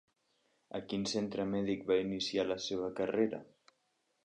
A quin centre mèdic va iniciar la seva carrera?